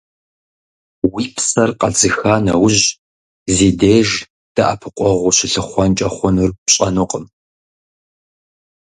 Уи псэр къэдзыха нэужь, зи деж дэӀэпыкъуэгъу ущылъыхъуэнкӀэ хъунур пщӀэнукъым.